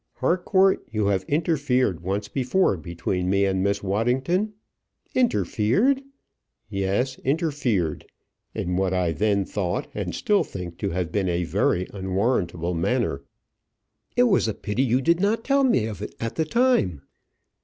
"Harcourt, you have interfered once before between me and Miss Waddington " "Interfered!" "Yes, interfered in what I then thought and still think to have been a very unwarrantable manner." "It was a pity you did not tell me of it at the time."